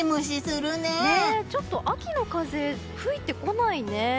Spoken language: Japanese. ちょっと秋の風が吹いてこないね。